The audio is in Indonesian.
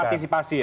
ada partisipasi ya